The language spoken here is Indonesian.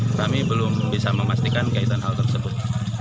kami belum bisa memastikan kaitan hal tersebut